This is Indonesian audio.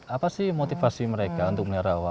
apa sih motivasi mereka untuk menyerah owa